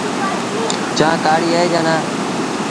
چآنه ڪآڙيٚ اهي جآن نا۔